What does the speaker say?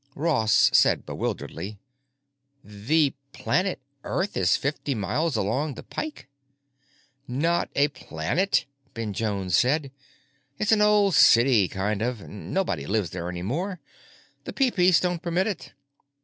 Ross said bewilderedly, "The planet Earth is fifty miles along the Pike?" "Not a planet," Ben Jones said. "It's an old city, kind of. Nobody lives there any more; the Peepeece don't permit it.